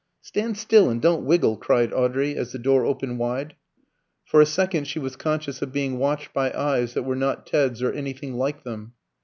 "Stand still, and don't wiggle!" cried Audrey, as the door opened wide. For a second she was conscious of being watched by eyes that were not Ted's or anything like them.